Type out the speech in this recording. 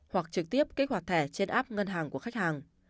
hoặc trực tiếp kích hoạt thẻ trên app ngân hàng của khách hàng